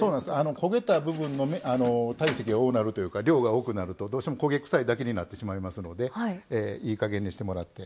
焦げた部分の量が多くなるとどうしても焦げ臭いだけになってしまいますのでいい加減にしてもらって。